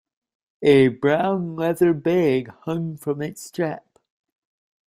A brown leather bag hung from its strap.